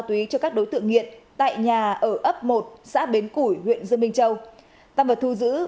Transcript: tuy cho các đối tượng nghiện tại nhà ở ấp một xã bến củi huyện dương minh châu tăng vật thu giữ